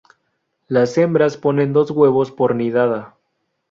Las hembras ponen dos huevos por nidada.